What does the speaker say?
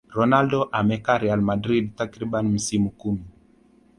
ronaldo amekaa real madrid takriban misimu kumi